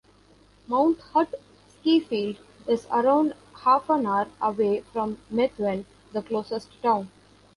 Mount Hutt skifield is around half an hour away from Methven, the closest town.